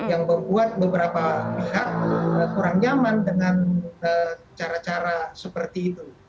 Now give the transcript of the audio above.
yang membuat beberapa pihak kurang nyaman dengan cara cara seperti itu